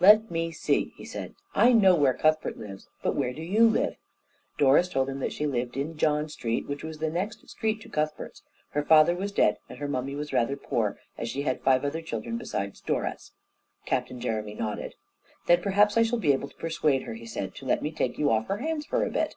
"Let me see," he said: "I know where Cuthbert lives, but where do you live?" Doris told him that she lived in John Street, which was the next street to Cuthbert's. Her father was dead, and her mummy was rather poor, as she had five other children besides Doris. Captain Jeremy nodded. "Then perhaps I shall be able to persuade her," he said, "to let me take you off her hands for a bit."